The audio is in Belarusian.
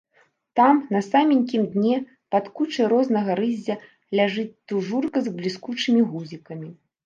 Там, на саменькім дне, пад кучай рознага рыззя, ляжыць тужурка з бліскучымі гузікамі.